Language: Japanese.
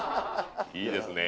いいですね